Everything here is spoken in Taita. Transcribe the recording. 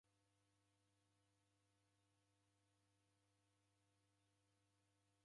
Dewona nyamandu ra masakenyi ajha Tsavo